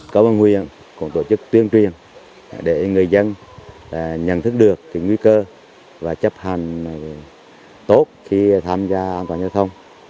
công an huyện cũng tổ chức tuyên truyền để người dân nhận thức được nguy cơ và chấp hành tốt khi tham gia an toàn giao thông